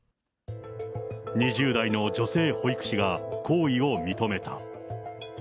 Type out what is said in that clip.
２０代の女性保育士が行為を認めた。